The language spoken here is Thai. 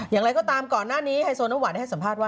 อย่างไรก็ตามก่อนหน้านี้ไฮโซโนหวานได้ให้สัมภาษณ์